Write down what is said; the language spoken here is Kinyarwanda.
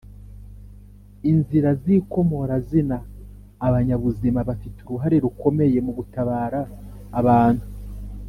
inzira z'ikomorazinaabanyabuzima bafite uruhare rukomeye mu gutabara abantu